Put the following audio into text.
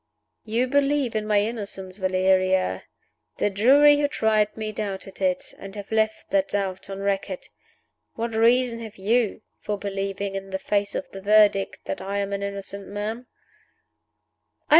"You believe in my innocence, Valeria. The jury who tried me doubted it and have left that doubt on record. What reason have you for believing, in the face of the Verdict, that I am an innocent man?"